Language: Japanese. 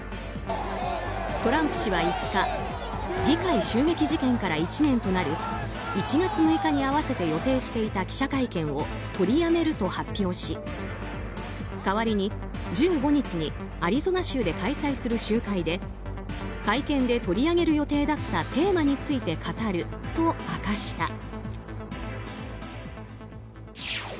トランプ氏は５日議会襲撃事件から１年となる１月６日に合わせて予定していた記者会見を取りやめると発表し代わりに１５日にアリゾナ州で開催する集会で会見で取り上げる予定だったテーマについて語ると明かした。